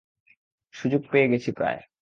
সুযোগ পেয়ে গেছি প্রায়।